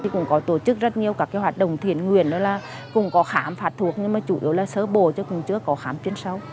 cũng có tổ chức rất nhiều các hoạt động thiền nguyện đó là cũng có khám phạt thuốc nhưng mà chủ yếu là sớ bồ cho cùng trước có khám chuyên sâu